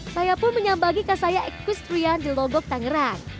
saya pun menyambagi kasaya ekstrian di logok tangerang